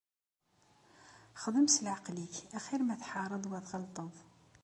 Xdem s leεqel-ik axir ma tḥareḍ u ad tɣelḍeḍ.